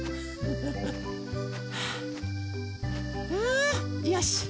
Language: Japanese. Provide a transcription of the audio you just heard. あよし！